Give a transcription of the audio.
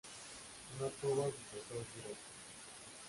No tuvo sucesor directo.